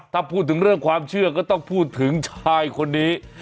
ถ้าพูดถึงเรื่องความเชื่อก็ต้องพูดถึงชายคนนี้